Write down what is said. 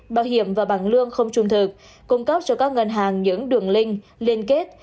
bảo hiểm và bảng lương không trung thực cung cấp cho các ngân hàng những đường link liên kết